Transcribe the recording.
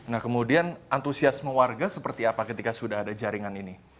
nah kemudian antusiasme warga seperti apa ketika sudah ada jaringan ini